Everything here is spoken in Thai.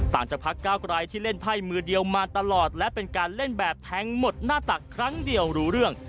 จากพักเก้าไกลที่เล่นไพ่มือเดียวมาตลอดและเป็นการเล่นแบบแทงหมดหน้าตักครั้งเดียวรู้เรื่อง